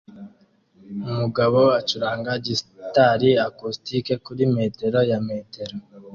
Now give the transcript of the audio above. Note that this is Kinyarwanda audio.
Umugabo acuranga gitari acoustic kuri metero ya metero